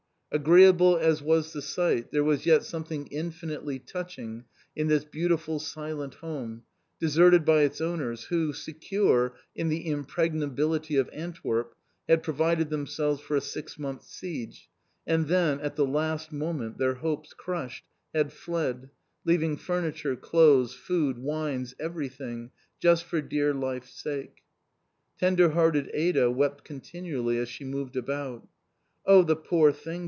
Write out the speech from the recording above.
Agreeable as was the sight, there was yet something infinitely touching in this beautiful silent home, deserted by its owners, who, secure in the impregnability of Antwerp, had provided themselves for a six months' siege, and then, at the last moment, their hopes crushed, had fled, leaving furniture, clothes, food, wines, everything, just for dear life's sake. Tender hearted Ada wept continually as she moved about. "Oh, the poor thing!"